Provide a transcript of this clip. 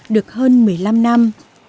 được hơn một mươi năm năm